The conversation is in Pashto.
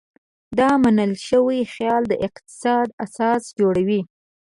دا منل شوی خیال د اقتصاد اساس جوړوي.